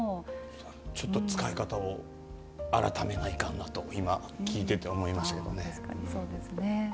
ちょっと使い方を改めないかんと聞いてて思いましたけどね。